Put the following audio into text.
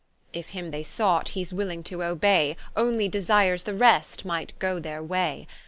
If him they sought, he's willing to obay, Onely desires the rest might goe their way.